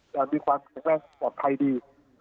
จะมีความสมัครความไข่ดี